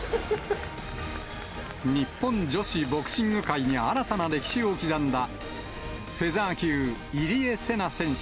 日本女子ボクシング界に新たな歴史を刻んだ、フェザー級、入江聖奈選手。